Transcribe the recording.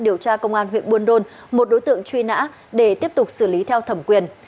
điều tra công an huyện buôn đôn một đối tượng truy nã để tiếp tục xử lý theo thẩm quyền